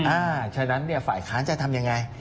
อ้าวฉะนั้นฝ่ายค้างจะทำอย่างไร